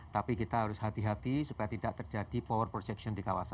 tapi kita harus hati hati supaya tidak terjadi power projection di kawasan